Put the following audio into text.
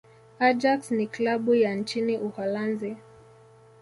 ajax ni klabu ya nchini uholanzi